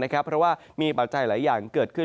เพราะว่ามีปัจจัยหลายอย่างเกิดขึ้น